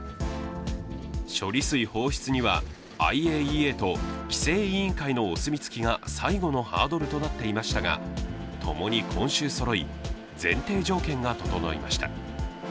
処理水放出には、ＩＡＥＡと規制委員会のお墨付きが最後のハードルとなっていましたが、共に今週そろい、前提条件が整いました。